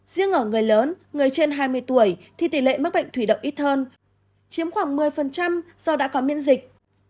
riêng ở người lớn người trên hai mươi tuổi thì tỷ lệ mắc bệnh thủy động ít hơn chiếm khoảng một mươi do đã có miễn dịch